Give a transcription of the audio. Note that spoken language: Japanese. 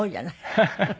ハハハハ。